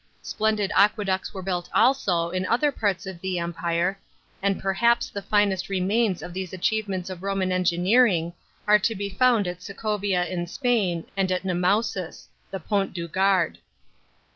Splendid aqueducts were built also in other parts of the empire, and p rhaps the finest 'emains of these achievements of Roman engineering are to be found at Se ovia in Spain, and at Nemausus (the Pont du Gard).